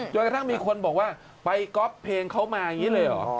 กระทั่งมีคนบอกว่าไปก๊อปเพลงเขามาอย่างนี้เลยเหรอ